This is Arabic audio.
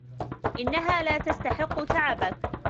انها لا تستحق تعبك.